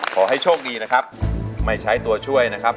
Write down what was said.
ขอให้โชคดีนะครับไม่ใช้ตัวช่วยนะครับ